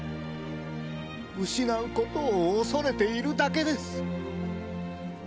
失うことを恐れているだけです。